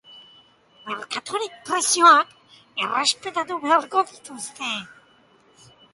Merkatuaren prezioak errespetatu beharko dituzte.